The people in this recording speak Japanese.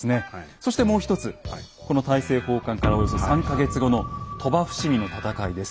そしてもう一つこの大政奉還からおよそ３か月後の鳥羽伏見の戦いです。